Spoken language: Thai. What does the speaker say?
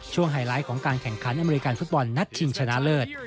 ไฮไลท์ของการแข่งขันอเมริกันฟุตบอลนัดชิงชนะเลิศ